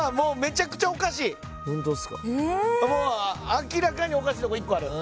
明らかにおかしいとこ１個ある。